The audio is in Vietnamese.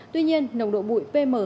tuy nhiên nồng độ bụi pm hai năm